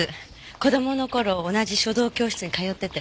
子供の頃同じ書道教室に通ってて。